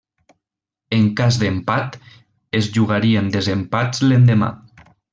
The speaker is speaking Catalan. En cas d'empat, es jugarien desempats l'endemà.